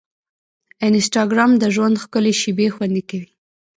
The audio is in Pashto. انسټاګرام د ژوند ښکلي شېبې خوندي کوي.